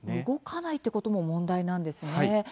動かないということも問題なんですね。